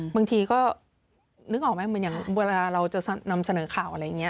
บางทีก็นึกออกไหมเหมือนอย่างเวลาเราจะนำเสนอข่าวอะไรอย่างนี้